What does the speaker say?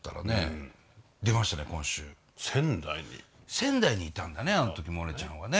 仙台にいたんだねあの時モネちゃんはね。